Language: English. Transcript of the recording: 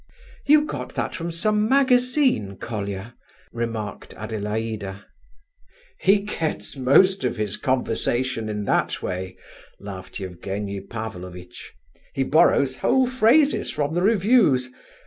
"You got that from some magazine, Colia," remarked Adelaida. "He gets most of his conversation in that way," laughed Evgenie Pavlovitch. "He borrows whole phrases from the reviews.